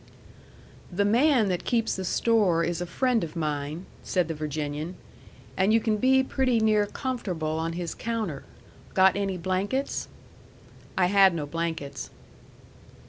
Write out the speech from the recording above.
"The man that keeps the store is a friend of mine," said the Virginian; "and you can be pretty near comfortable on his counter. Got any blankets?" I had no blankets.